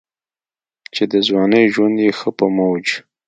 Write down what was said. چې دَځوانۍ ژوند ئې ښۀ پۀ موج